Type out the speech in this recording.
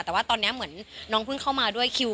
แต่ว่าตอนนี้เหมือนน้องเพิ่งเข้ามาด้วยคิว